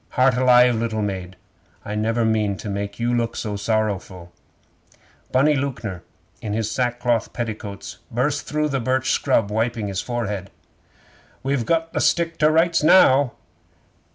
Heart alive, little maid! I never meaned to make you look sorrowful! 'Bunny Lewknor in his sackcloth petticoats burst through the birch scrub wiping his forehead. 'We've got the stick to rights now!